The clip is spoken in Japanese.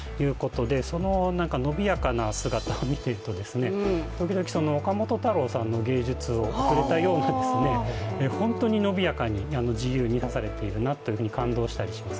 その伸びやかな姿を見ていると時々、岡本太郎さんの芸術のような本当に伸びやかに自由に指されているなと感動します。